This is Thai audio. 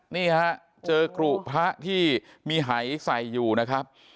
นี่ฮะเจอกรุพระที่มีหายใส่อยู่นะครับ